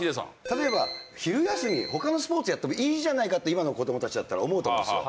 例えば昼休み他のスポーツやってもいいじゃないかって今の子どもたちだったら思うと思うんですよ。